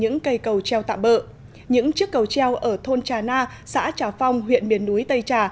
những cây cầu treo tạm bỡ những chiếc cầu treo ở thôn trà na xã trà phong huyện miền núi tây trà